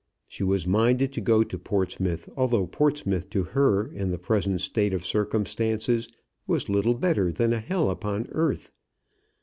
She was minded to go to Portsmouth, although Portsmouth to her in the present state of circumstances was little better than a hell upon earth.